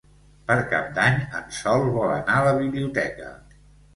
Per Cap d'Any en Sol vol anar a la biblioteca.